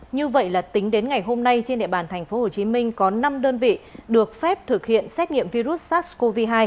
như vậy là tính đến ngày hôm nay trên địa bàn tp hcm có năm đơn vị được phép thực hiện xét nghiệm virus sars cov hai